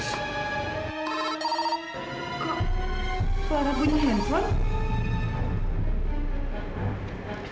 suara punya handphone